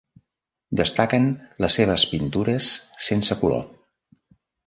Destaquen les seves pintures sense color.